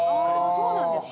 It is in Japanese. あそうなんですか。